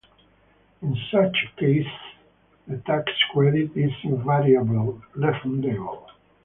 In such cases, the tax credit is invariably refundable.